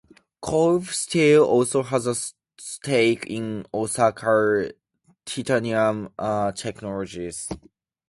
Kobe Steel also has a stake in Osaka Titanium Technologies.